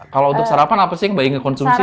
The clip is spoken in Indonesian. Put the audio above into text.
kalau untuk sarapan apa sih yang baik dikonsumsi